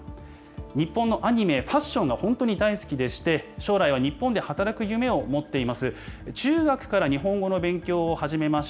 日本のアニメ、ファッションが本当に大好きでして、将来は日本で働く夢を持っています。